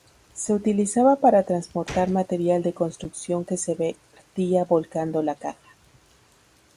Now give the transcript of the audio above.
Se utilizaba para transportar material de construcción que se vertía volcando la caja.